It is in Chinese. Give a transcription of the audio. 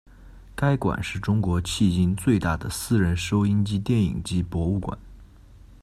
该馆是是中国迄今最大的私人收音机电影机博物馆。